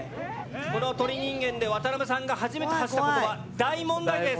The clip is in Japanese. この鳥人間で渡邊さんが初めて発した言「大問題です！」。